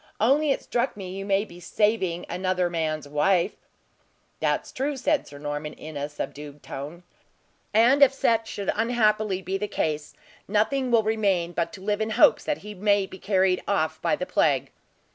Only it struck me you may be saving another man's wife." "That's true!" said Sir Norman, in a subdued tone, "and if such should unhappily be the case, nothing will remain but to live in hopes that he may be carried off by the plague."